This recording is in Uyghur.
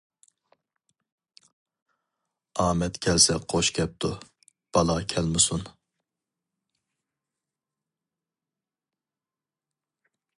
ئامەت كەلسە قوش كەپتۇ، بالا كەلمىسۇن.